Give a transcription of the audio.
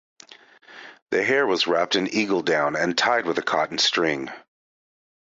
The hair was wrapped in eagle down and tied with a cotton string.